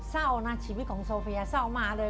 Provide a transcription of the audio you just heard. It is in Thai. เหรอชีวิตของโซเฟียเศร้ามาเลย